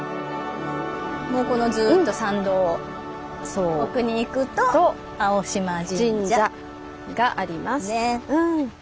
このずっと参道を奥に行くと青島神社があります。